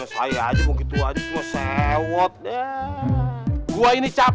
hei study yuk kok daunya